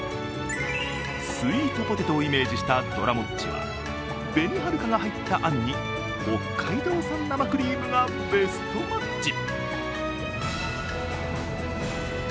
スイートポテトをイメージしたどらもっちは紅はるかが入ったあんに北海道産生クリームがベストマッチ。